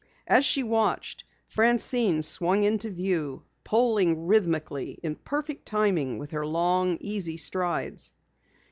As she watched, Francine swung into view, poling rhythmically, in perfect timing with her long easy strides.